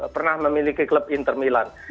pernah memiliki klub inter milan